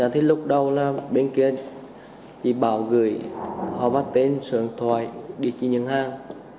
thì lúc đầu là bên kia chị bảo gửi họ bắt tên sử dụng thoại địa chỉ nhận hàng